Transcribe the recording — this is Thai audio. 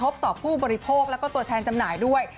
ต่อผู้บริโภคแล้วก็ตัวแทนจำหน่ายด้วย